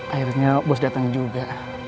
akhirnya bos datang juga